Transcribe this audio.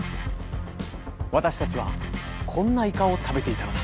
私たちはこんなイカを食べていたのだ。